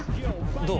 どう？